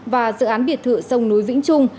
và dự án biệt thự sông núi vĩnh trung